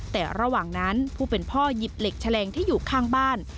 แต่ระหว่างนั้นผู้เป็นพ่อหยิบเหล็กแฉลงที่อยู่ข้างบ้าน